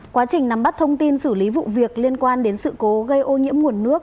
quá trình nắm bắt thông tin xử lý vụ việc liên quan đến sự cố gây ô nhiễm nguồn nước